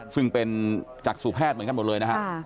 ซึ่งเป็นจักษุแพทย์เหมือนกันหมดเลยนะฮะ